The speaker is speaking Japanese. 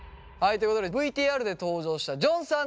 ということでＶＴＲで登場したジョンさんです！